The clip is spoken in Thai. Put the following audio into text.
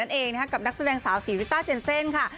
นั่นเองนะคะกับนักแสดงสาวศรีริต้าเจนเซ่นค่ะ